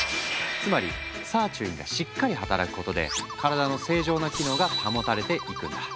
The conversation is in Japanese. つまりサーチュインがしっかり働くことで体の正常な機能が保たれていくんだ。